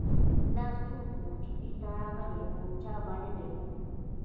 دا څوک و چې دې ته راغلی و او چا بللی و